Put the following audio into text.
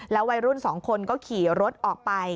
แล้ววัยรุ่นสองคนก็ขี่รถออกไป